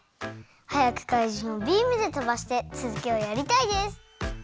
はやくかいじんをビームでとばしてつづきをやりたいです。